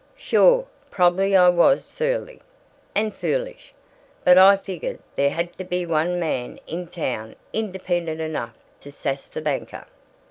"Sure. Probably I was surly and foolish. But I figured there had to be ONE man in town independent enough to sass the banker!"